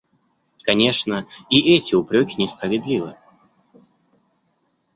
Конечно, и эти упреки несправедливы.